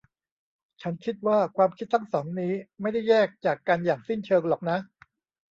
ฉันคิดว่าความคิดทั้งสองนี้ไม่ได้แยกจากกันอย่างสิ้นเชิงหรอกนะ